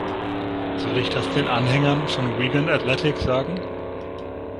Soll ich das den Anhängern von Wigan Athletic sagen?